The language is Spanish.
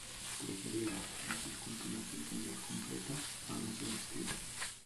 Prefería las esculturas de talla completa a las de vestir.